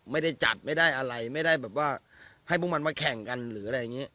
ไม่ได้จัดไม่ได้อะไรไม่ได้แบบว่าให้พวกมันมาแข่งกันหรืออะไรอย่างนี้